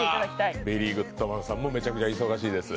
ベリーグッドマンさんもめちゃくちゃ忙しいです。